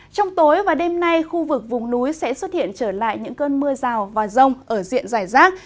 trong tối và đêm nay khu vực vùng núi sẽ xuất hiện trở lại những cơn mưa rào và rông ở diện giải rác